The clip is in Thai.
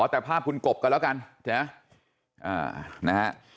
ขอแตกภาพคุณกบกันแล้วกันนะ